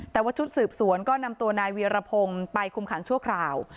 แต่ว่าชุดสืบสวนก็นำตัวนายเวียรพงศ์ไปคุมขังชั่วคราว